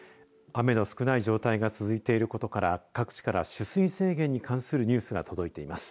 雨の少ない状態が続いていることから各地から取水制限に関するニュースが届いています。